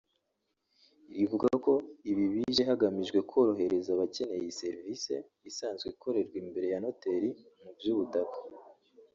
rivuga ko ibi bije hagamijwe korohereza abakeneye iyi serivise isanzwe ikorerwa imbere ya Noteri mu by’ubutaka